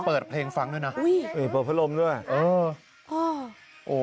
เปิดเพลงฟังด้วยน่ะอุ้ยเออเปิดภรรมด้วยเออโอ้โอ้